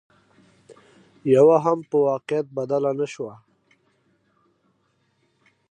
يوه هم په واقعيت بدله نشوه